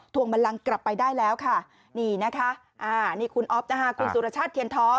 วงบันลังกลับไปได้แล้วค่ะนี่นะคะอ่านี่คุณอ๊อฟนะคะคุณสุรชาติเทียนท้อ